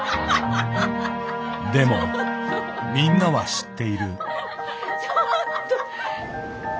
でもみんなは知っている。